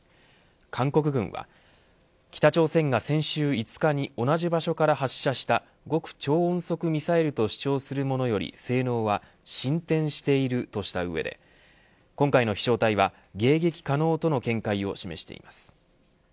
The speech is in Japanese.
韓国軍は北朝鮮が先週５日に同じ場所から発射した極超音速ミサイルと主張するものより性能は進展しているとした上で今回の飛翔体は迎撃可能との見解を示しています。